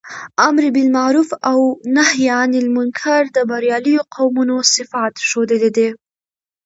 امر باالمعروف او نهي عنالمنکر د برياليو قومونو صفات ښودلي دي.